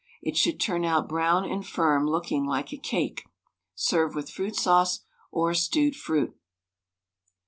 It should turn out brown and firm, looking like a cake. Serve with fruit sauce or stewed fruit.